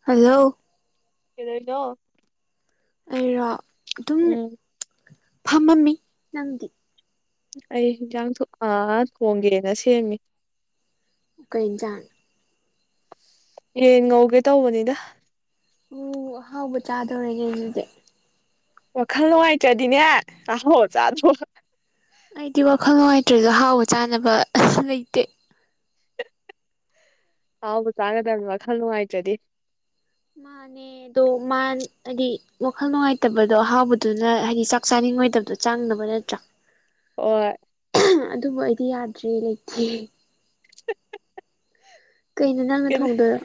hello ꯑꯦꯗꯗꯣ ꯑꯩꯔꯣ ꯑꯗꯨꯝ ꯎꯝ ꯐꯝꯃꯝꯃꯤ ꯅꯪꯗꯤ ꯑꯩ ꯍꯟꯁꯥꯡ ꯑ ꯊꯣꯡꯒꯦꯅ ꯁꯦꯝꯃꯤ ꯎꯈꯣꯏ ꯏꯟ ꯆ ꯌꯦꯟ ꯉꯧꯒꯦ ꯇꯧꯕꯅꯤꯗ ꯎ ꯑꯍꯥꯎꯕ ꯆꯥꯗꯧꯔꯒꯦꯖꯤꯗꯤ ꯋꯥꯈꯜ ꯅꯨꯡꯉꯥꯏꯇ꯭ꯔꯗꯤꯅꯦ ꯑꯍꯣ ꯆꯥꯗ꯭ꯔꯣ ꯑꯩꯗꯤ ꯋꯥꯈꯜ ꯅꯨꯡꯉꯥꯏꯇ꯭ꯔꯁꯨ ꯍꯥꯎꯕ ꯆꯥꯅꯕ ꯑ ꯂꯩꯇꯦ ꯍꯥꯎ ꯆꯒꯗꯥꯜ ꯋꯥ ꯈꯜꯅꯅꯨꯡ ꯍꯥꯏꯥꯏꯇꯗꯤ ꯃꯥꯅꯦ ꯑꯦ ꯑꯗꯣ ꯃꯥ ꯍꯥꯏꯗꯤ ꯋꯥꯈꯜ ꯅꯨꯡꯉꯥꯏꯇꯕꯗꯣ ꯑꯍꯥꯎꯕꯗꯨꯅ ꯍꯥꯏꯗꯤ ꯆꯥꯛ ꯆꯥꯅꯤꯡꯉꯣꯏꯗꯕꯗꯣ ꯆꯥꯡꯅꯕ ꯅꯠꯇ꯭ꯔꯥ [inaudible] ꯑꯣ ꯑꯗꯨꯕꯨ ꯑꯩꯗꯤ ꯌꯥꯗ꯭ꯔꯦ ꯂꯩꯇꯦ ꯀꯩꯅꯣ ꯅꯪꯅ ꯊꯣꯡꯗꯣꯏꯔ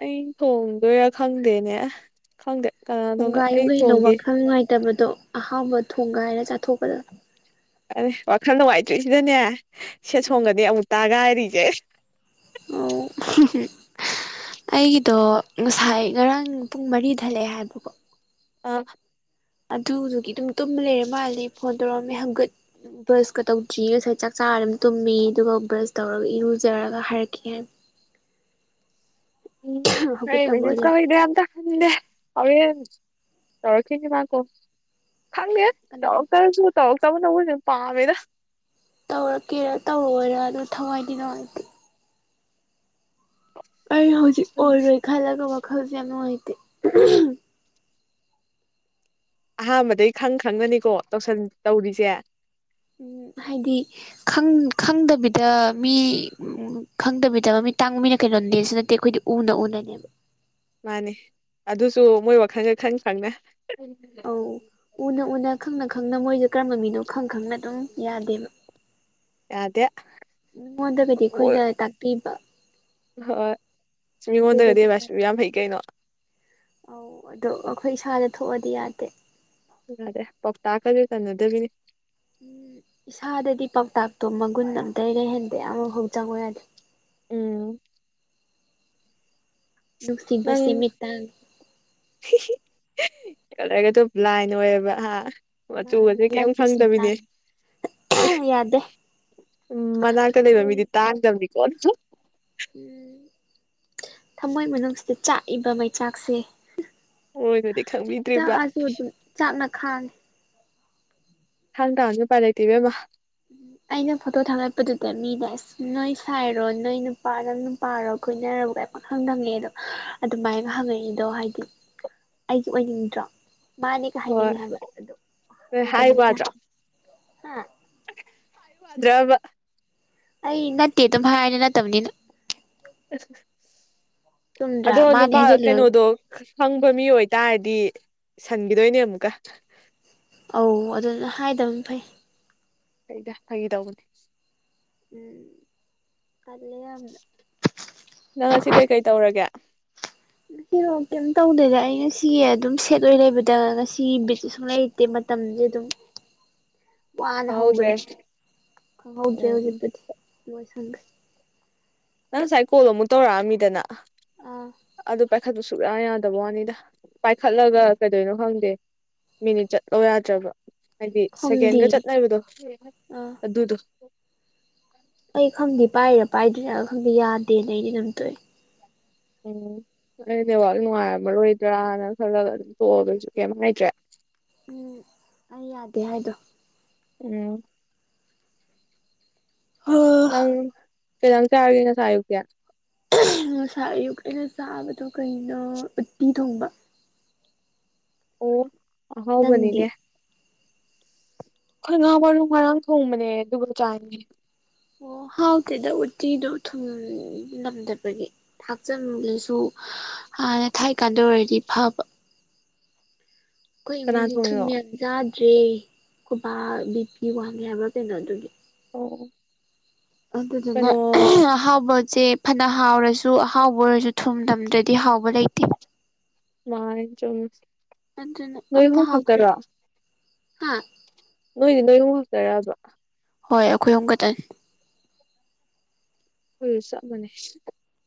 ꯑꯩ ꯊꯣꯡꯗꯣꯏꯔꯥ ꯈꯪꯗꯦꯅꯦ ꯈꯪꯗꯦ ꯀꯅꯥꯅꯣꯅ ꯊꯣꯡꯒ ꯌꯨ ꯑꯩ ꯀꯩꯅꯣ ꯊꯣꯡꯒꯦ ꯋꯥꯈꯜ ꯉꯥꯏꯇꯕꯗꯣ ꯑꯍꯥꯎꯕ ꯊꯣꯡꯒꯥꯏ ꯍꯥꯏꯅ ꯆꯥꯊꯣꯛꯄꯗ ꯑ ꯋꯥꯈꯜ ꯅꯨꯡꯉꯥꯏꯇ꯭ꯔꯤ ꯁꯤꯗꯅꯦ ꯁꯦ ꯎꯝ ꯁꯣꯝꯒꯗꯤ ꯑꯃꯨ ꯇꯥꯒ ꯍꯥꯏꯔꯤꯁꯦ ꯑꯣ ꯑꯩꯒꯤꯗꯣ ꯉꯁꯥꯏ ꯉꯔꯥꯡ ꯄꯨꯡ ꯃꯔꯤ ꯊꯠꯂꯛꯑꯦ ꯍꯥꯏꯕꯀꯣ ꯑ ꯑꯗꯨꯗꯨꯒꯤ ꯑꯗꯨꯝ ꯇꯨꯝꯕ ꯂꯩꯔ ꯃꯥꯜꯂꯦ ꯐꯣꯟ ꯇꯧꯔꯛꯑꯝꯃꯦ ꯍꯪꯒꯠ ꯕ꯭ꯔꯁꯀ ꯇꯧꯗ꯭ꯔꯤ ꯉꯁꯥꯏ ꯆꯥꯛꯆꯥꯥꯔ ꯑꯗꯨꯝ ꯇꯨꯝꯃꯤ ꯑꯗꯨꯒ ꯕ꯭ꯔꯁ ꯇꯧꯔꯒ ꯏꯔꯨꯖꯔꯒ ꯍꯥꯏꯔꯛꯀ ꯍꯥꯏꯅ [inaudible] ꯎꯝ ꯍꯃꯦ ꯍꯧꯒꯠꯇꯕ ꯑꯣꯏꯔꯦ ꯀ ꯑꯣꯏꯣꯏꯗꯦ ꯗ ꯍꯧꯧꯌꯦ ꯇꯔꯈꯅꯤ ꯃꯥꯀꯣ ꯈꯪꯗ ꯀꯅꯥꯅ ꯆꯧꯀꯁꯨ ꯇꯧꯀꯕꯨꯅꯧꯕ ꯄꯥꯝꯃꯦꯦꯗ ꯇꯧꯔꯛꯀꯦꯔꯥ ꯇꯧꯔꯑꯣꯣꯏꯔ ꯑꯗꯨ ꯊꯋꯥꯏꯗꯤ ꯅꯨꯡꯉꯥꯏꯇꯦ ꯑꯩ ꯍꯧꯖꯤꯛ ꯑꯣꯏꯔꯣꯏ ꯈꯜꯂꯒ ꯋꯥꯈꯜꯁꯦ ꯌꯥꯝ ꯅꯨꯡꯉꯥꯏꯇꯦ ꯑꯍꯥꯟꯕꯗꯩ ꯈꯪ ꯈꯪꯉꯅꯤꯀꯣ ꯇꯧꯁꯟ ꯇꯧꯔꯤꯁꯦ ꯎꯝ ꯍꯥꯏꯗꯤ ꯈꯪꯗꯕꯤꯗ ꯃꯤ ꯈꯪꯗꯕꯤꯗ ꯃ ꯃꯤ ꯇꯥꯡꯕ ꯃꯤꯅ ꯀꯩꯅꯣꯗꯦꯁꯨ ꯅꯠꯇꯦ ꯑꯩꯈꯣꯏꯗꯤ ꯎꯟꯅ ꯎꯟꯅꯅꯦ ꯃꯥꯅꯤ ꯑꯗꯨꯁꯨ ꯃꯣꯏ ꯋꯥꯈꯜꯒ ꯈꯪ ꯈꯪꯅ ꯑꯧ ꯎꯅ ꯎꯅ ꯈꯪꯅ ꯈꯪꯅ ꯃꯣꯏꯁꯦ ꯀꯔꯝꯕ ꯃꯤꯅꯣ ꯈꯪ ꯈꯪꯅ ꯑꯗꯨꯝ ꯌꯥꯗꯦꯕ ꯑꯗꯦ ꯅꯉꯣꯟꯗꯒꯗꯤ ꯑꯩꯈꯣꯏꯅ ꯇꯥꯛꯄꯤꯕ ꯍꯣꯏ ꯑꯩꯈꯣꯏꯗꯗꯤ ꯃꯤꯉꯣꯟꯗꯒꯗꯤ ꯃꯥꯁꯨ ꯌꯥꯗꯦ ꯌꯥꯝ ꯐꯩ ꯀꯩꯅꯣ ꯑꯧ ꯑꯗꯣ ꯑꯩꯈꯣꯏ ꯏꯁꯥꯗ ꯊꯣꯛꯑꯗꯤ ꯌꯥꯗꯦ ꯔꯦ ꯄꯣꯛꯇꯥꯛ ꯀꯗꯤ ꯀꯅꯗꯕꯤꯅꯤ ꯎꯝ ꯏꯁꯥꯗꯗꯤ ꯄꯥꯎꯇꯥꯛꯇꯣ ꯃꯒꯨꯟ ꯑꯝꯇ ꯂꯩꯍꯟꯕ ꯌꯥꯝꯐꯥꯎ ꯆꯪꯉ ꯌꯥꯗꯦ ꯎꯝ ꯅꯨꯡꯁꯤꯕ ꯅꯪ ꯁꯤꯃꯤꯠꯇ ꯀꯂꯔꯒꯗꯣ ꯕ꯭ꯂꯥꯏꯟ ꯑꯣꯏꯌꯦꯕ ꯍꯥ ꯑꯣ ꯃꯥꯅꯤ ꯑꯆꯨꯁꯦ ꯂꯞ ꯀꯩꯝ ꯏꯁ ꯈꯪꯗꯕꯤꯅꯦ ꯕ꯭ꯂꯥꯏꯟ ꯌꯥꯗꯦ ꯎꯝ ꯃꯅꯥꯛꯇ ꯂꯩꯕ ꯎꯝ ꯃꯤꯗꯤ ꯇꯥꯡꯒꯗꯕꯅꯤꯀꯣ ꯊꯃꯣꯏ ꯃꯅꯨꯡꯁꯤꯗ ꯆꯥꯛꯏꯕ ꯃꯩꯆꯥꯛꯁꯦ ꯃꯣꯏꯅꯗꯤ ꯈꯪꯕꯤꯗ꯭ꯔꯤꯕ ꯆꯥꯛꯑꯁꯨ ꯑꯗꯨꯝ ꯆꯥꯛꯅ ꯈꯥꯟ ꯍꯪ ꯇꯥꯟꯅ ꯄꯔꯇꯕꯦꯝꯃ ꯎꯝ ꯑꯩꯅ ꯐꯣꯇꯣ ꯊꯥꯒꯠꯄꯗꯨꯗ ꯃꯤꯅꯦ ꯑꯁ ꯅꯣꯏ ꯁꯥꯏꯔꯣ ꯅꯣꯏ ꯅꯨꯄꯥ ꯅꯪ ꯅꯨꯄꯥꯔꯣ ꯈꯣꯏꯅꯔꯣ ꯈꯪꯗꯪꯅꯦ ꯑꯗꯣ ꯑꯗꯨꯃꯥꯏꯅ ꯍꯪꯉꯛꯏꯗꯣ ꯍꯥꯏꯗꯤ ꯑꯩꯒꯤ ꯑꯣꯏꯅꯤꯡꯗ꯭ꯔꯣ ꯃꯥꯅꯦꯒ ꯍꯣꯏ ꯍꯥꯏꯅꯤꯡꯉꯤ ꯍꯥꯏꯕ ꯑꯗꯨ ꯅꯣꯏ ꯍꯥꯏ ꯑꯣꯏꯗꯕꯅꯤꯅ ꯍꯥꯏ ꯍꯥ ꯗ꯭ꯔꯣꯕ [inaudible] ꯑꯩ ꯅꯠꯇꯦ ꯑꯗꯨꯝ ꯍꯥꯏꯔꯦ ꯅꯠꯇꯕꯅꯤꯅ ꯆꯨꯝꯗ꯭ꯔꯥ ꯑꯗꯣ ꯃꯥꯅꯦ ꯅꯨꯄꯥ ꯍꯥꯏꯖꯤꯜꯂꯨꯔꯒ ꯀꯩꯅꯣꯗꯣ ꯈꯪꯕ ꯃꯤ ꯑꯣꯏꯇꯥꯔꯗꯤ ꯁꯟꯈꯤꯗꯣꯏꯅꯦ ꯑꯃꯨꯛꯀ ꯑꯧ ꯑꯗꯨꯅ ꯍꯥꯏꯗꯕꯅ ꯐꯩ ꯐꯩꯗ ꯐꯥꯒꯤ ꯇꯧꯕꯅꯦ ꯎꯝ ꯇꯥꯜꯂꯦ ꯌꯥꯝꯅ ꯅꯪ ꯉꯁꯤ ꯀꯩꯀꯩ ꯇꯧꯔꯒꯦ ꯉꯁꯤꯔꯣ ꯀꯔꯤꯝ ꯇꯧꯗꯣꯏꯗ ꯑꯩ ꯉꯁꯤ ꯑꯗꯨꯝ ꯁꯦꯠ ꯑꯣꯏꯅ ꯂꯩꯕꯗ ꯉꯁꯤ ꯕꯤꯠ ꯁꯨꯡ ꯂꯩ ꯃꯇꯝꯁꯦ ꯑꯗꯨꯝ ꯋꯥꯅ ꯈꯪꯍꯧꯗ꯭ꯔꯦ ꯍꯧꯈ꯭ꯔꯦ ꯎꯝ ꯈꯪꯍꯧꯗ꯭ꯔꯦ ꯎꯝ ꯍꯧꯖꯤꯛꯄꯨꯗꯤ ꯂꯣꯏ ꯁꯪꯈ꯭ꯔꯦ ꯅꯪ ꯉꯁꯥꯏ ꯀꯣꯜ ꯑꯃꯨꯛ ꯇꯧꯔꯛꯑꯃꯤꯗꯅ ꯑꯥ ꯑꯗꯨ ꯄꯥꯏꯈꯠꯄ ꯁꯨꯛꯌꯥ ꯌꯥꯗꯕ ꯋꯥꯅꯤꯗ ꯄꯥꯏꯈꯠꯂꯒ ꯀꯩꯗꯣꯏꯅꯣ ꯈꯪꯗꯦ ꯃꯤꯅꯤꯠ ꯆꯠꯂꯣ ꯌꯥꯗ꯭ꯔꯕ ꯍꯥꯏꯗꯤ ꯈꯪꯗꯦ ꯁꯦꯀꯦꯟꯒ ꯆꯠꯅꯕꯗꯣ ꯑꯥ ꯑꯗꯨꯗꯣ ꯑꯩ ꯈꯪꯗꯦ ꯄꯥꯏꯔꯥ ꯄꯥꯏꯗ꯭ꯔꯤꯔꯥ ꯈꯪꯗꯦ ꯌꯥꯗꯦꯅ ꯑꯩꯗꯤ ꯑꯗꯨꯝ ꯇꯣꯛꯌꯦ ꯎꯝ ꯑꯩ ꯅꯦꯋꯥꯥꯛ ꯅꯨꯡꯉꯥꯏꯔꯝꯃꯔꯣꯏꯗ꯭ꯔꯥꯅ ꯈꯜꯂꯒ ꯑꯗꯨꯝ ꯇꯣꯛꯑꯕ ꯑꯩꯁꯨ ꯀꯩꯝ ꯍꯥꯏꯗꯔꯦ ꯎꯝ ꯑꯩ ꯌꯥꯗꯦ ꯍꯥꯏꯗꯣ ꯎꯝ ꯍꯥ ꯅꯪ ꯀꯩ ꯢꯟꯁꯥꯡ ꯆꯔꯒꯦ ꯉꯁꯥꯢ ꯑꯌꯨꯛꯇꯤ ꯉꯁꯥꯥꯢ ꯑꯌꯨꯛ ꯑꯩꯅ ꯆꯥꯕꯗꯣ ꯀꯩꯅꯣ ꯎꯠꯇꯤ ꯊꯣꯡꯕ ꯑꯣ ꯅꯪꯗꯤ ꯍꯥꯎꯕꯅꯤꯅꯦ ꯑꯩꯈꯣꯏ ꯉꯥ ꯃꯔꯨ ꯅꯪ ꯃꯔꯥꯡ ꯊꯣꯡꯕꯅꯦ ꯑꯗꯨꯒ ꯆꯥꯏ ꯑꯣ ꯍꯥꯎꯇꯦꯗ ꯎꯇꯤꯗꯣ ꯊꯨꯝ ꯅꯝꯗꯕꯒꯤ ꯊꯥꯛꯆꯥꯟꯕꯁꯨ ꯍꯥꯟꯅ ꯊꯥꯏꯀꯥꯟꯗ ꯑꯣꯏꯔꯗꯤ ꯐꯕ ꯑꯩꯈꯣꯏ ꯀꯅꯥ ꯏꯃꯨꯡꯁꯦ ꯊꯨ ꯊꯣꯡꯉꯤꯅꯣ ꯌꯥꯝ ꯆꯥꯗ꯭ꯔꯦ ꯈꯣꯢꯕꯥ ꯕꯤꯕꯤ ꯋꯥꯡꯉꯦ ꯍꯥꯏꯕ꯭ꯔꯥ ꯀꯩꯅꯣ ꯑꯗꯨꯒꯤ ꯑꯣ ꯑꯗꯨꯗꯨꯅ ꯀꯩꯅꯣ ꯍꯥꯕ ꯁꯦ ꯐꯅ ꯍꯥꯎꯔꯁꯨ ꯑꯍꯥꯎꯕ ꯑꯣꯏꯔꯁꯨ ꯊꯨꯝ ꯇꯝꯗ꯭ꯔꯗꯤ ꯍꯥꯎꯕ ꯂꯩꯇꯦ ꯃꯥꯅꯦ ꯆꯨꯝꯃꯦ ꯑꯗꯨꯅ ꯅꯣꯏ ꯑꯝꯇ ꯑꯍꯨꯝ ꯍꯥꯎꯇ꯭ꯔꯦ ꯈꯛꯇꯔꯣ ꯍꯥ ꯅꯣꯏꯗꯤ ꯅꯣꯏ ꯑꯍꯨꯝ ꯈꯥꯛꯇꯔꯕ ꯍꯣꯏ ꯑꯩꯈꯣꯏ ꯑꯍꯨꯝ ꯈꯛꯇꯅꯦ ꯑꯩꯈꯣꯢꯒ ꯆꯥꯞ ꯃꯥꯟꯅꯩ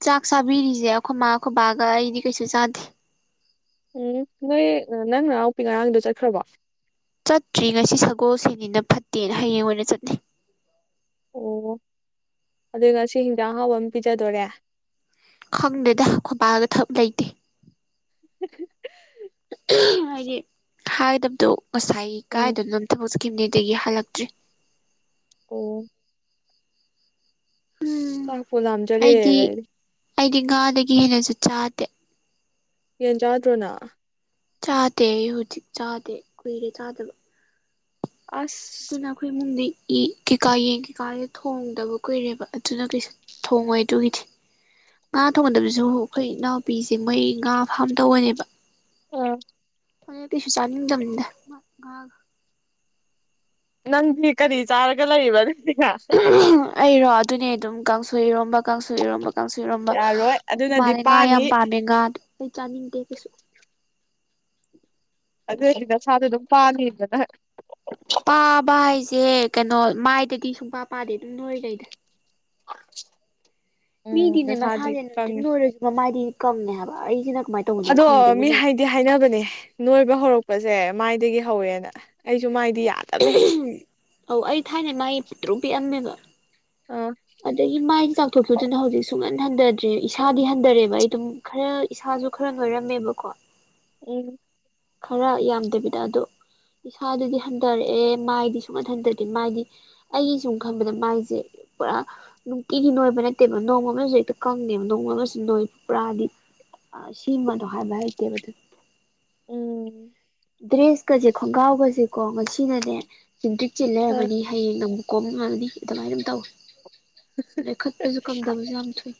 ꯆꯥꯛ ꯆꯥꯕꯤꯔꯤꯁꯦ ꯑꯩꯈꯣꯏꯃꯥꯒ ꯈꯣꯢꯕꯥꯒ ꯑꯩꯗꯤ ꯀꯩꯁꯨ ꯆꯥꯗꯦ ꯎꯝ ꯅꯣꯏ ꯅꯪ ꯅꯅꯥꯎꯄꯤ ꯉꯔꯥꯡꯒꯤꯗꯣ ꯆꯠꯈ꯭ꯔꯕꯣ ꯆꯠꯇ꯭ꯔꯤ ꯉꯁꯤ ꯁꯒꯣꯜꯁꯤꯟꯅꯤꯅ ꯐꯠꯇꯦꯅ ꯍꯌꯦꯡ ꯑꯣꯏꯅ ꯆꯠꯅꯤ ꯑꯣ ꯑꯗꯨ ꯉꯁꯤ ꯍꯤꯟꯖꯥꯡ ꯑꯍꯥꯎꯕ ꯑꯃ ꯄꯤꯖꯗꯣꯔꯦ ꯈꯪꯗꯦꯗ ꯈꯄꯥꯛꯒ ꯊꯕꯛ ꯂꯩꯇꯦ [inaudible] ꯍꯥꯏꯗꯤ ꯍꯥꯏꯒꯗꯕꯗꯣ ꯉꯁꯥꯏ ꯎꯝ ꯀꯥꯏꯗꯅꯣ ꯊꯕꯛ ꯆꯠꯈꯤꯕꯅꯦ ꯑꯗꯩ ꯍꯜꯂꯛꯇ꯭ꯔꯤ ꯑꯣ ꯎꯝ ꯆꯥꯛꯄꯨ ꯂꯥꯝꯃꯦ ꯑꯩꯗꯤ ꯑꯩꯗꯤ ꯉꯥꯗꯒꯤꯁꯨ ꯍꯦꯟꯅꯁꯨ ꯆꯥꯗꯦ ꯌꯦꯟ ꯆꯥꯗ꯭ꯔꯣ ꯅꯪ ꯆꯥꯗꯦ ꯍꯧꯖꯤꯛ ꯆꯥꯗꯦ ꯀꯨꯏꯔꯦ ꯆꯥꯗꯕ ꯑꯁ ꯅꯈꯣꯏ ꯏꯃꯨꯡꯗꯤ ꯀꯩꯀꯥ ꯌꯦꯟ ꯀꯩꯀꯥꯗꯤ ꯊꯣꯡꯗꯕ ꯀꯨꯏꯔꯦꯕ ꯑꯗꯨꯅ ꯀꯩꯁꯨ ꯊꯣꯡꯉꯣꯏ ꯑꯗꯨꯒꯤꯗꯤ ꯉꯥ ꯊꯣꯡꯒꯟꯗꯕꯁꯨ ꯑꯩꯈꯣꯏ ꯏꯅꯥꯎꯄꯤꯁꯦ ꯃꯣꯏ ꯉꯥ ꯐꯥꯝ ꯇꯧꯧꯕꯅꯦꯕ ꯑ ꯍꯗ ꯀꯩꯁꯨ ꯆꯥꯅꯤꯡꯗꯅꯤꯗ ꯅꯪꯗꯤ ꯀꯔꯤ ꯆꯥꯔꯒ ꯂꯩꯕ ꯅ ꯑꯩꯔꯣ ꯑꯗꯨꯅꯦ ꯑꯗꯨꯝ ꯀꯥꯡꯁꯨꯣꯏ ꯏꯔꯣꯝꯕ ꯀꯥꯡꯁꯨ ꯏꯔꯣꯝꯕ ꯀꯥꯡꯁꯨ ꯏꯔꯣꯝꯕ ꯌꯥꯔꯣꯏ ꯑꯩꯈꯣꯏ ꯑꯗꯨꯅꯗꯤ ꯃꯥꯜꯂꯦ ꯉꯥ ꯌꯥꯝ ꯄꯥꯅꯤ ꯄꯥꯝꯃꯦ ꯉꯥ ꯑꯗꯨꯣ ꯑꯩ ꯆꯥꯅꯤꯡꯗꯦ ꯀꯩꯁꯨ ꯑꯗꯨꯏꯗꯤ ꯅꯁꯥꯁꯨ ꯑꯗꯨꯝ ꯄꯥꯅꯤꯗꯅ ꯄꯥꯕ ꯍꯥꯏꯁꯦ ꯀꯩꯅꯣ ꯃꯥꯏꯗꯗꯤ ꯁꯨꯡꯄꯥ ꯄꯥꯗꯦ ꯑꯗꯨꯝ ꯅꯣꯏꯔꯩꯗ ꯎꯝ ꯃꯤꯗꯤꯅꯦ ꯅꯁꯥꯗꯤ ꯃꯁꯥꯅꯦ ꯅꯣꯏꯪ ꯀꯪꯉꯦ ꯅꯣꯏꯔꯁꯨ ꯃꯃꯥꯏꯗꯤ ꯀꯪꯅꯦ ꯍꯥꯏꯕ ꯑꯩꯁꯤꯅ ꯀꯃꯥꯏꯅ ꯇꯧꯕꯅꯣ ꯑꯗꯣ ꯈꯪꯗꯦ ꯃꯤ ꯃꯅꯣꯏ ꯍꯥꯏ ꯁꯤ ꯍꯥꯏꯅꯕꯅꯦ ꯅꯣꯏꯕ ꯍꯧꯔꯛꯄꯁꯦ ꯃꯥꯏꯗꯒꯤ ꯍꯧꯋꯦꯅ ꯑꯩꯁꯨ ꯃꯥꯏꯗꯤ ꯌꯥꯗ ꯑꯧ ꯑꯩ ꯊꯥꯏꯅ ꯃꯥꯥꯏ ꯇꯔꯨꯛ ꯄꯤꯛꯑꯝꯃꯦꯕ ꯑꯣ ꯑꯗꯒꯤ ꯃꯥꯏ ꯆꯥꯎꯥꯛꯊꯣꯛꯄꯗꯨꯅ ꯍꯧꯖꯤꯛ ꯁꯨꯡꯍꯟ ꯍꯟꯊꯗ꯭ꯔꯦ ꯏꯁꯥꯗꯤ ꯍꯟꯊꯔꯦꯕ ꯑꯩ ꯑꯗꯨꯝ ꯈꯔ ꯏꯁꯥꯁꯨ ꯈꯔ ꯂꯣꯏꯔꯝꯃꯦꯕꯀꯣ ꯑꯦ ꯈꯔ ꯌꯥꯝꯗꯕꯤꯗ ꯑꯗꯣ ꯏꯁꯥꯗꯨꯗꯤ ꯍꯟꯊꯔꯛꯑꯦ ꯃꯥꯏꯗꯤ ꯁꯨꯍꯥꯏꯟ ꯍꯟꯊꯗꯦ ꯃꯥꯏꯗꯤ ꯑꯩꯒꯤ ꯁꯨꯝ ꯈꯟꯕꯗ ꯃꯥꯏꯁꯦ ꯄꯨꯔꯥ ꯅꯨꯡꯇꯤꯒꯤ ꯅꯣꯏꯕ ꯅꯠꯇꯦꯕ ꯅꯣꯡꯃ ꯑꯃꯁꯨ ꯍꯦꯛꯇ ꯀꯪꯉꯦꯕ ꯅꯣꯡꯃ ꯑꯃꯁꯨ ꯅꯣꯏ ꯄꯨꯔꯥꯗꯤ ꯁꯤꯃꯗꯣ ꯍꯥꯏꯕ ꯍꯩꯇꯦꯕ ꯑꯗꯨ ꯎꯝ ꯗ꯭ꯔꯦꯁꯀꯁꯦ ꯈꯣꯡꯒ꯭ꯔꯥꯎꯒꯁꯦꯀꯣ ꯉꯁꯤꯅꯅꯦ ꯆꯤꯟꯇ꯭ꯔꯤꯛ ꯑꯥ ꯆꯤꯂꯔꯕꯅꯤ ꯍꯌꯦꯡ ꯅꯪꯕꯨ ꯀꯣꯕ ꯃꯥꯜꯗꯤ ꯑꯗꯨꯃꯥꯏꯅ ꯑꯗꯨꯝ ꯇꯧꯋꯤ ꯑꯗꯩ ꯈꯠꯄꯁꯨ ꯀꯝꯗꯕꯁꯨ ꯌꯥꯝ ꯊꯨꯏ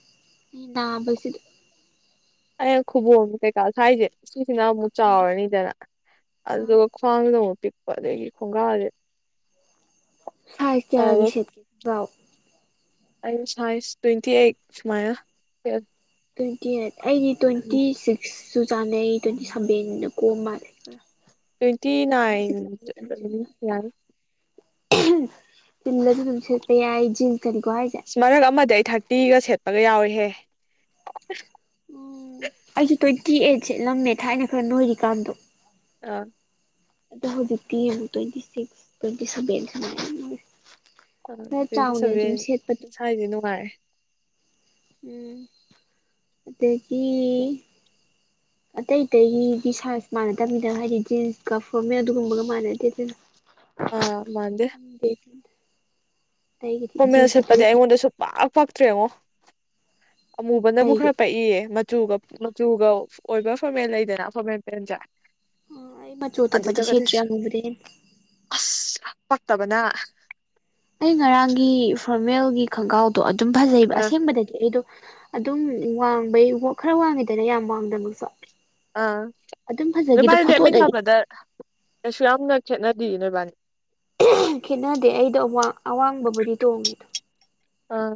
ꯅꯥꯕꯁꯤ ꯑ ꯈꯨꯕ ꯑꯝꯇꯦꯀꯥꯜ ꯍꯥꯏꯥꯏꯖꯦ ꯁꯤꯁꯤꯅ ꯑꯃꯨꯛ ꯆꯥꯎꯔꯅꯤꯗꯅ ꯑꯗꯨꯗꯨꯒ ꯈ꯭ꯋꯥꯡꯗꯨꯗ ꯑꯃꯨꯛ ꯄꯤꯛꯄ ꯑꯗꯒꯤ ꯈꯣꯡꯒꯥ꯭ꯔꯁꯦ ꯐꯥꯏ ꯀꯦꯒ ꯐꯕ ꯁꯦꯠꯀꯤ ꯌꯥꯎ ꯑꯁ ꯍꯥꯏꯥꯏꯁ ꯇ꯭ꯋꯦꯟꯇꯤ ꯑꯩꯠꯨꯃ ꯇ꯭ꯋꯦꯟꯇꯤ ꯑꯩꯠ ꯑꯩꯗꯤ ꯇ꯭ꯋꯦꯟꯇꯤ ꯁꯤꯛꯁꯁꯨ ꯆꯥꯅꯩ ꯇ꯭ꯋꯦꯟꯇꯤ ꯁꯕꯦꯟꯅ ꯀꯣ ꯃꯥꯜꯂꯦꯔꯥ ꯇ꯭ꯋꯦꯟꯇꯤ ꯅꯥꯏꯟ ꯌꯥ ꯇꯤꯝꯂꯁꯨ ꯑꯗꯨꯝ ꯁꯦꯠꯄ ꯌꯥꯏ ꯖꯤꯟꯁꯀꯅꯤꯀꯣ ꯍꯥꯏꯁꯦ ꯃꯔꯛ ꯑꯃꯗ ꯑꯩ ꯊꯥꯔꯇꯤꯒ ꯁꯦꯠꯄꯒ ꯌꯥꯎꯔꯤꯍꯦ ꯎꯝ ꯑꯩꯁꯨꯦ ꯇ꯭ꯋꯦꯟꯇꯤ ꯑꯩꯠꯁꯦꯂꯝꯃꯦ ꯊꯥꯏꯅ ꯈꯔ ꯅꯣꯏꯔꯤꯀꯥꯟꯗꯣ ꯑꯥ ꯑꯗꯣ ꯍꯧꯖꯤꯛꯇꯤ ꯇ꯭ꯋꯦꯟꯇꯤ ꯁꯤꯛꯁ ꯇ꯭ꯋꯦꯟꯇꯤ ꯁꯚꯦꯟ ꯁꯨꯃꯥꯏꯅ ꯐꯔ ꯆꯥꯎꯅꯦ ꯑꯗꯨꯝ ꯁꯦꯠꯄꯗꯣ ꯍꯥꯏꯗꯤ ꯅꯨꯡꯉꯥꯏꯔꯦ ꯎꯝ ꯑꯇꯩꯗꯒꯤ ꯑꯇꯩ ꯑꯇꯩꯒꯤ ꯁꯥꯏꯖ ꯃꯥꯟꯅꯗꯕꯃꯤꯗ ꯍꯥꯏꯗꯤ ꯖꯤꯟꯁꯀ ꯐꯣꯔꯃꯦꯜ ꯑꯗꯨꯒꯨꯝꯕꯒ ꯃꯥꯟꯅꯗꯦ ꯑꯗꯨꯅ ꯑꯥ ꯃꯥꯟꯗꯦ ꯇꯁ ꯀ ꯃꯥꯛ ꯄꯥꯛꯇ꯭ꯔꯦ ꯌꯦꯡꯉꯣ ꯑꯃꯨꯕꯅꯕꯨ ꯀꯩꯒꯤ ꯈꯔ ꯄꯛꯏꯌꯦ ꯃꯆꯨꯒ ꯃꯆꯨꯒ ꯑꯣꯏꯕ ꯐꯣꯔꯃꯦꯜ ꯂꯩꯗꯅ ꯐꯣꯔꯃꯦꯜ ꯄꯦꯟꯁꯦ ꯑꯩꯃ ꯆꯣꯊꯄ ꯑꯗꯨꯗꯒꯗꯤ ꯁꯦꯇꯦꯉꯕ꯭ꯔꯦ ꯑꯁ ꯄꯥꯛꯠꯇꯕꯅ ꯑꯩ ꯉꯔꯥꯡꯒꯤ ꯐꯣꯔꯃꯦꯜꯒꯤ ꯈꯣꯡꯒ꯭ꯔꯥꯎꯗꯣ ꯑꯗꯨꯝ ꯐꯖꯩꯕ ꯑ ꯑꯁꯦꯡꯕꯗꯗꯤ ꯑꯩꯗꯣ ꯑꯗꯨꯝ ꯋꯥꯡꯕꯩ ꯈꯔ ꯋꯥꯡꯉꯤꯗꯅ ꯌꯥꯝ ꯋꯥꯡꯗꯕꯁꯨ ꯑꯥ ꯑꯗꯨꯝ ꯐꯖꯒꯤꯗꯣ ꯅꯣꯏꯕꯥꯅꯤ ꯐꯣꯇꯣꯗꯗꯤ ꯂꯦꯞꯃꯤꯟꯅꯕꯗ ꯀꯩꯁꯨ ꯌꯥꯝꯅ ꯈꯦꯠꯅꯗ ꯅꯣꯏꯕꯥꯅꯤ ꯈꯦꯠꯅꯗꯦ ꯑꯩꯗꯣ ꯑꯋꯥꯡꯕꯕꯨꯗꯤ ꯇꯣꯡꯉꯦꯗꯣ ꯑꯥ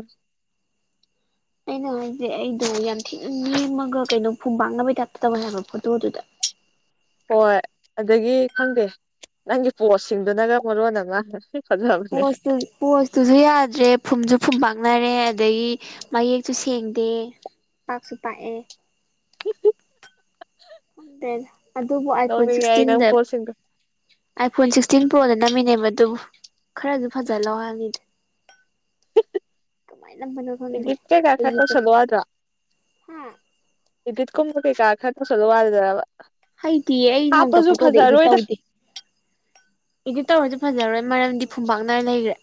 ꯑꯩꯅ ꯍꯧꯁꯦ ꯑꯩꯗꯣ ꯌꯥꯝ ꯊꯤꯅ ꯅꯦꯝꯃꯒ ꯀꯩꯅꯣ ꯐꯨꯝꯕꯥꯥꯛꯅꯕꯩ ꯇꯥꯏꯞꯇ ꯇꯕ ꯍꯥꯏꯕ ꯐꯣꯇꯣꯗꯨꯗ ꯍꯣꯏ ꯑꯗꯒꯤ ꯈꯪꯗꯦ ꯅꯪꯒꯤ ꯄꯣꯠꯁꯤꯡꯗꯨꯅꯒ ꯃꯔꯣꯟ ꯑꯃ ꯉꯥꯡ ꯄꯣꯁꯨ ꯄꯣꯁꯇꯨꯁꯨ ꯌꯥꯗ꯭ꯔꯦ ꯐꯨꯝꯁꯨ ꯐꯨꯝ ꯄꯥꯛꯅꯔꯦ ꯑꯗꯒꯤ ꯃꯌꯦꯛꯁꯨ ꯁꯦꯡꯗꯦ ꯄꯥꯛꯁꯨ ꯄꯥꯛꯑꯦ ꯗꯦ ꯑꯗꯨꯕꯨ ꯑꯥꯏ ꯐꯣꯟ ꯅꯣꯛꯅꯤꯡꯉꯦ ꯑꯩ ꯅꯪ ꯁꯤꯛꯁꯇꯤꯟꯗ ꯄꯣꯁꯁꯤꯡꯗꯣ ꯑꯥꯏꯐꯣꯟ ꯁꯤꯛꯁꯇꯤꯟ ꯄ꯭ꯔꯣꯗ ꯅꯝꯃꯤꯅꯦ ꯃꯗꯨꯕꯨ ꯈꯔꯁꯨ ꯐꯖ ꯂꯧ ꯍꯥꯏꯅꯤꯅꯦ ꯀꯃꯥꯏꯅꯅꯣ ꯗꯤꯞ ꯀꯦ ꯀꯥꯏ ꯈꯠꯇ ꯆꯂꯋꯥꯗ꯭ꯔꯥ ꯍꯥ ꯏꯗꯨꯠ ꯀꯨꯝꯕ ꯀꯩ ꯀꯥ ꯈꯗ ꯁꯂꯨꯋꯥꯗ꯭ꯔꯕ ꯍꯩꯗꯤꯌꯦ ꯑꯩ ꯅꯣꯡꯃꯇ ꯐꯣꯇꯣꯗ ꯏꯗꯤ ꯇꯧꯗꯦ ꯏꯗꯤꯠ ꯇꯧꯔꯁꯨ ꯐꯖꯔꯣꯏ ꯃꯔꯝꯗꯤ ꯐꯨꯝꯄꯥꯛꯥꯛꯅꯔ ꯂꯩꯈ꯭ꯔꯦ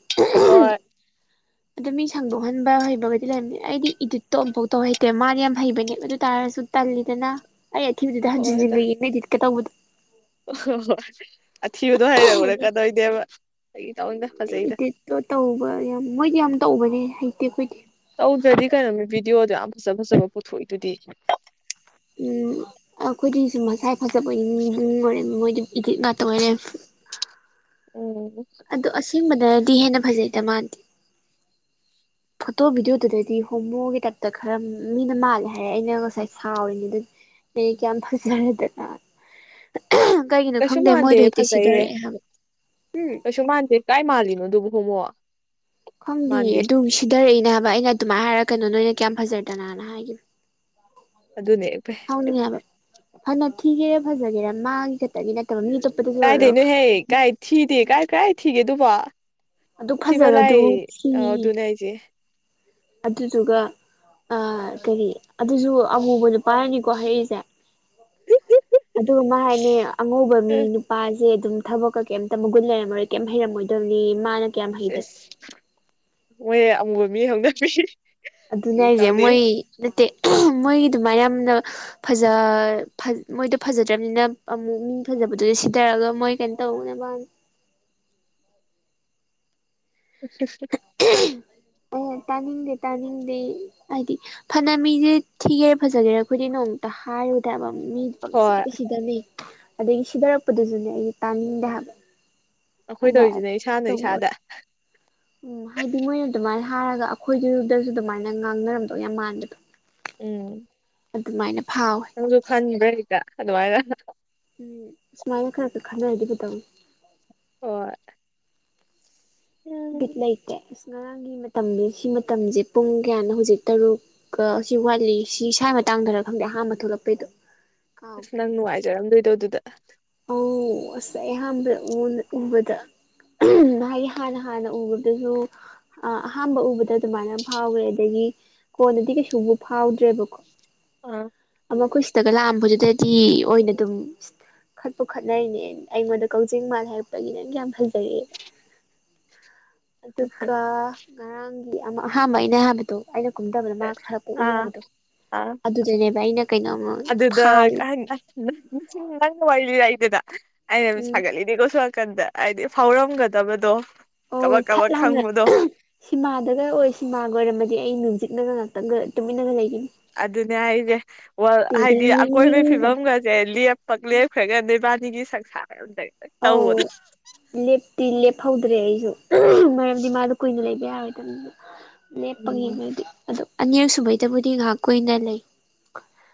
ꯍꯣꯏ [unintelligible] ꯑꯗꯨ ꯃꯤ ꯁꯟꯗꯣꯛꯍꯟꯕ ꯍꯩꯕꯒꯗꯤ ꯂꯩꯔꯝꯅꯦ ꯑꯩꯗꯤ ꯏꯗꯤꯠꯇꯣ ꯑꯃꯝꯐꯥꯎ ꯇꯧ ꯍꯩꯇꯦ ꯃꯥꯗꯤ ꯌꯥꯝ ꯍꯩꯕꯅꯦꯕ ꯑꯗꯨ ꯇꯥꯔꯁꯨ ꯇꯜꯂꯤꯗꯅ ꯑꯩ ꯑꯊꯤꯕꯗꯨꯗ ꯍꯟꯖꯤꯟꯖꯤꯟꯒ ꯌꯦꯛꯅꯩꯗꯤꯠꯀ ꯇꯧꯕꯗꯣ ꯑꯣ ꯍꯣ ꯍꯣꯏ ꯑꯊꯤꯕꯗꯣ ꯍꯔ ꯎꯔꯛꯀꯗꯣꯏꯅꯦꯕ ꯑꯩꯒꯤ ꯇꯥꯅꯤꯡꯗ ꯐꯖꯩꯗ ꯑꯣ ꯇꯧꯕ ꯌꯥꯝ ꯃꯣꯏꯗꯤ ꯌꯥꯝ ꯇꯧꯕꯅꯦ ꯍꯩꯇꯦ ꯑꯩꯈꯣꯏꯗꯤ ꯇꯧꯗ꯭ꯔꯗꯤ ꯀꯩꯅꯣꯅꯤ ꯚꯗꯤꯑꯣꯗꯣ ꯌꯥꯝ ꯐꯖ ꯐꯖꯕ ꯄꯨꯊꯣꯛꯏꯗꯨꯗꯤ ꯎꯝ ꯑꯩꯈꯣꯏꯗꯤꯁꯨ ꯃꯁꯥꯏ ꯐꯖꯕ ꯏ ꯑꯣꯏꯔꯦ ꯃꯣꯏꯗꯤ ꯏꯗꯤꯠ ꯉꯥꯛꯇ ꯑꯣꯏꯔꯦ ꯎꯝ ꯑꯗꯣ ꯑꯁꯦꯡꯕꯗꯗꯤ ꯍꯦꯟꯅ ꯐꯖꯩꯗ ꯃꯥꯗꯤ ꯐꯣꯇꯣ ꯚꯤꯗꯤꯑꯣꯗꯨꯗꯗꯤ ꯍꯣꯃꯣꯒꯤ ꯇꯥꯏꯞꯇ ꯈꯔ ꯃꯤꯅ ꯃꯥꯜꯂꯦ ꯍꯥꯏꯔꯦ ꯑꯩꯅ ꯉꯁꯥꯏ ꯁꯥꯎꯔꯤꯅꯤ ꯑꯗꯨ ꯑꯩ ꯀ ꯐꯁꯤꯦꯗ ꯀꯩꯒꯤꯅꯣ ꯀꯩꯁꯨ ꯈꯪꯗꯦ ꯃꯥꯟꯗꯦ ꯃꯣꯏꯗꯣ ꯍꯦꯛꯇꯤ ꯐꯖꯩꯍꯦ ꯁꯤꯗꯔꯛꯑꯦ ꯍꯥꯏꯕ ꯎꯝ ꯀꯩꯁꯨ ꯃꯥꯟꯗꯦ ꯀꯥꯏ ꯃꯥꯜꯂꯤꯅꯣ ꯑꯗꯨꯕꯨ ꯍꯣꯡꯉꯣ ꯈꯪꯗꯤꯦ ꯑꯗꯨꯝ ꯁꯤꯙꯔꯛꯏꯅꯦ ꯍꯥꯏꯕ ꯑꯩꯅ ꯑꯗꯨꯃꯥꯏꯅ ꯍꯥꯏꯔꯒꯀꯅꯣ ꯅꯣꯏꯅ ꯀꯌꯥꯝ ꯐꯖꯗꯅꯅ ꯍꯥꯏꯒꯅ ꯑꯗꯨꯅꯦ ꯍꯥꯎꯅꯤꯡꯉꯦ ꯍꯥꯏꯕ ꯐꯅ ꯊꯤꯒꯦꯔꯥ ꯐꯖꯒꯦꯔꯥ ꯃꯥꯒꯤ ꯈꯛꯇꯒꯤ ꯅꯠꯇꯕ ꯃꯤ ꯑꯇꯣꯞꯄꯗꯁꯨ ꯑꯣꯏꯔꯣ ꯀꯥꯏꯗꯩꯅꯣꯍꯦ ꯍꯥꯏꯗꯤ ꯀꯥꯏ ꯊꯤꯗꯦ ꯀꯥꯏ ꯀꯥꯏ ꯊꯤꯒꯦ ꯑꯗꯨꯕꯣ ꯑꯗꯨ ꯊꯤꯕ ꯐꯖꯕꯗꯨ ꯂꯥꯏ ꯊꯤ ꯑꯧ ꯑꯗꯨꯅꯦ ꯍꯥꯏꯁꯦ ꯑꯗꯨꯗꯨꯒ ꯑ ꯀꯔꯤ ꯑꯗꯨꯁꯨ ꯑꯃꯉꯨꯕ ꯅꯨꯄꯥꯥꯏꯔꯅꯤꯀꯣ ꯍꯥꯏꯔꯛꯏꯁꯦ ꯑꯗꯨ ꯃꯥ ꯍꯥꯏꯅꯤ ꯑꯉꯧꯕ ꯃꯤ ꯅꯨꯄꯥꯁꯦ ꯑꯗꯨꯝ ꯊꯕꯛꯀ ꯀꯩꯝꯇ ꯃꯒꯨꯟ ꯂꯩꯔꯝꯃꯔꯣꯏ ꯀꯩꯝ ꯍꯩꯔꯝꯃꯣꯏꯗꯕꯅꯤ ꯃꯥꯅ ꯀꯌꯥꯝ ꯍꯩꯗ ꯑꯦꯁ ꯃꯣꯏꯍꯦ ꯑꯃꯨꯕ ꯃꯤ ꯍꯧꯗꯄꯤ ꯑꯗꯨꯅꯦ ꯑꯩꯁꯦ ꯃꯣꯏ ꯅꯠꯇꯦ ꯃꯣꯏꯒꯤ ꯑꯗꯨꯃꯥꯏꯅ ꯌꯥꯝꯅ ꯐꯖ ꯃꯣꯏꯗꯣ ꯐꯖꯗ꯭ꯔꯕꯅꯤꯅ ꯑꯃꯨꯛ ꯃꯤ ꯐꯖꯕꯗꯨꯗ ꯁꯤꯊꯔꯒ ꯃꯣꯏ ꯀꯩꯅꯣ ꯇꯧꯅꯕ ꯎꯝ ꯑꯣ ꯇꯥꯅꯤꯡꯗꯦ ꯇꯥꯅꯤꯡꯗꯦ ꯍꯥꯏꯗꯤ ꯐꯅ ꯃꯤꯁꯦ ꯊꯤꯒꯦꯔꯦ ꯐꯖꯒꯦꯔꯦ ꯑꯩꯈꯣꯏꯗꯤ ꯅꯣꯡꯃꯨꯇ ꯍꯥꯏꯔꯨꯗꯕ ꯃꯤ ꯍꯣꯏ ꯁꯤꯗ ꯁꯤꯗꯅꯦ ꯑꯗꯒꯤ ꯁꯤꯗꯔꯛꯄꯗꯨꯁꯨꯅꯦ ꯑꯩꯁ ꯇꯥꯅꯤꯡꯗꯦ ꯍꯥꯏꯕ ꯑꯩꯈꯣꯏ ꯐꯅ ꯇꯧꯔꯤꯁꯤꯅꯦ ꯏꯁꯥꯅ ꯇꯧꯕ ꯏꯁꯥꯗ ꯑꯣꯏꯔꯁꯨ [inaudible] ꯎꯝ ꯍꯥꯏꯗꯤ ꯃꯣꯏꯅ ꯑꯗꯨꯃꯥꯏꯅ ꯍꯥꯏꯔꯒ ꯑꯩꯈꯣꯏꯗꯨꯗꯁꯨ ꯑꯗꯨꯃꯥꯏꯅ ꯉꯥꯡꯅꯔꯝꯗꯧ ꯌꯥꯝ ꯃꯥꯟꯕꯗꯣ ꯎꯝ ꯑꯗꯨꯃꯥꯏꯅ ꯐꯥꯎꯋꯦ ꯅꯪꯁꯨ ꯈꯟꯗ꯭ꯔ ꯍꯗ ꯑꯗꯨꯃꯥꯏꯅ ꯎꯝ ꯁꯨꯃꯥꯏꯅ ꯈꯔ ꯈꯔ ꯈꯟꯅꯔꯗꯤꯕꯨꯇꯃ ꯑꯣ ꯎꯝ ꯕꯤꯠ ꯂꯩꯇꯦ ꯑꯁ ꯉꯔꯥꯡꯒꯤ ꯃꯇꯝ ꯁꯤ ꯃꯇꯝꯁꯦ ꯄꯨꯡ ꯀꯌꯥꯅꯣ ꯍꯧꯖꯤꯛ ꯇꯔꯨꯛ ꯁꯤ ꯋꯥꯠꯂꯤ ꯁꯤ ꯏꯁꯥꯒꯤ ꯃꯇꯥꯡꯗꯔ ꯈꯪꯗꯦ ꯑꯍꯥꯡꯥꯟꯕ ꯊꯣꯛꯂꯛꯄꯩꯗꯣ ꯑꯁ ꯅꯪ ꯅꯨꯡꯉꯥꯏꯖꯔꯝꯗꯣꯏꯗꯣ ꯑꯗꯨꯗ ꯑ ꯑꯁ ꯑꯍꯥꯟꯕꯗ ꯎꯕꯗ ꯍꯥꯏꯗꯤ ꯍꯥꯟꯅ ꯍꯥꯟꯅ ꯎꯕꯗꯁꯨ ꯑꯍꯥꯝꯕ ꯎꯕꯗ ꯑꯗꯨꯃꯥꯏꯅ ꯐꯥꯎꯈ꯭ꯔꯦ ꯑꯗꯒꯤ ꯀꯣꯟꯅꯗꯤ ꯀꯩꯁꯨꯕꯨ ꯐꯥꯎꯗ꯭ꯔꯦꯕꯀꯣ ꯑꯣ ꯃꯈꯣꯏ ꯁꯤꯗꯒ ꯂꯥꯛꯑꯝꯕꯗꯨꯗꯗꯤ ꯑꯣꯏꯅ ꯑꯗꯨꯝ ꯈꯠꯄꯨ ꯈꯠꯅꯩꯅꯦ ꯑꯩꯉꯣꯟꯗ ꯀꯛꯖꯤꯡ ꯃꯥꯜ ꯍꯥꯏꯔꯛꯄꯒꯤ ꯅꯪ ꯌꯥꯝ ꯐꯖꯔꯛꯑꯦ ꯑꯗꯨꯒ ꯉꯔꯥꯡꯒꯤ ꯑꯍꯥꯟꯕ ꯑꯩꯅ ꯑꯍꯥꯟꯕꯗꯣ ꯑꯩꯅ ꯀꯨꯝꯗꯕꯗ ꯃꯥ ꯈꯔ ꯄꯣꯛꯎꯏ ꯑꯥ ꯍꯥꯏꯕꯗꯣ ꯑꯥ ꯑꯗꯨꯗꯅꯦꯕ ꯑꯩꯅ ꯀꯩꯅꯣꯝꯃ ꯈꯥꯎ ꯅꯪ ꯋꯥꯂꯤ ꯂꯥꯏꯇꯦꯗ ꯑ ꯎꯝ ꯁꯒ ꯏꯗꯤ ꯀꯁ ꯀꯟꯗ ꯍꯥꯏꯗꯤ ꯐꯥꯎꯔꯝꯒꯗꯕꯗꯣ ꯑ ꯀꯕꯛ ꯐꯠ ꯀꯕꯛ ꯂꯥꯎꯅꯠ ꯈꯪꯕꯗꯣ ꯁꯤꯃꯥꯗꯒ ꯑꯣꯏ ꯁꯤꯃꯥꯒ ꯑꯣꯏꯔꯝꯃꯗꯤ ꯑꯩ ꯅꯨꯡꯖꯤꯛꯅꯒ ꯉꯥꯛꯇꯪꯒ ꯇꯨꯃꯤꯟꯅꯒ ꯂꯩꯈꯤꯅꯤ ꯑꯗꯨꯅꯦ ꯑꯩꯁꯦ ꯍꯥꯏꯗꯤ ꯑꯀꯣꯏꯕꯒꯤ ꯇꯤꯔꯤꯡꯂꯤꯡꯂꯤꯡꯒ ꯐꯤꯕꯝꯒꯁꯦꯞ ꯄꯛꯂꯦꯞꯈ꯭ꯔꯒ ꯅꯦꯕꯥꯅꯤꯒꯤ ꯁꯪꯁꯥꯔ ꯑꯃꯇ ꯑꯧ ꯂꯦꯞꯇꯤ ꯂꯦꯞꯍꯧꯗ꯭ꯔꯦ ꯑꯩꯁꯨ ꯃꯔꯝꯗꯤ ꯃꯥꯗꯣ ꯀꯨꯏꯅ ꯂꯩꯕ ꯌꯥꯔꯣꯏꯗꯕꯗ ꯎꯝ ꯂꯦꯞꯄꯒꯤꯕꯗꯤ ꯑꯗꯣ ꯑꯅꯦꯛ ꯁꯕꯩꯗꯕꯨꯗꯤ ꯉꯥꯏꯍꯥꯛ ꯀꯨꯏꯅ ꯂꯩ